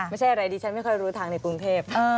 ไม่ใช่อะไรดิฉันไม่ค่อยรู้ทางในกรุงเทพ